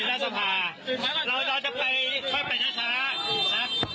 เราจะไปไม่ไงจะเข้าไปได้ไหม